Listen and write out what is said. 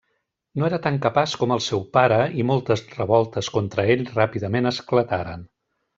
No era tan capaç com el seu pare i moltes revoltes contra ell ràpidament esclataren.